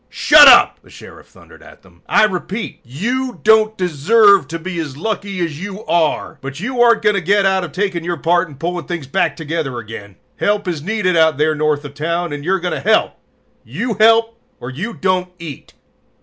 "Shut up!" the Sheriff thundered at them. "I repeat: you don't deserve to be as lucky as you are! But you aren't going to get out of taking your part in pulling things back together again. Help is needed out there north of town, and you're going to help. "You help or you don't eat!"